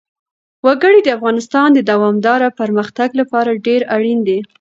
وګړي د افغانستان د دوامداره پرمختګ لپاره ډېر اړین دي.